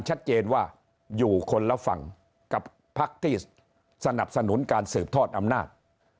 ชัดเจนว่าอยู่คนละฝั่งกับพักที่สนับสนุนการสืบทอดอำนาจ